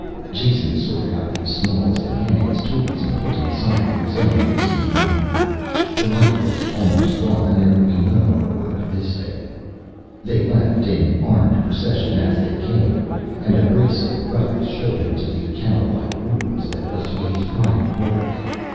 Jason sorted out the smallest and handiest tools and put them aside for his own use in the morning. The light was almost gone and there would be no more work this day. They left, in armed procession, as they came, and a brace of brothers showed him to the kennellike room that was to be his private quarters.